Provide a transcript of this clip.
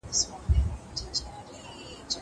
زه اوږده وخت کتابونه لوستل کوم!!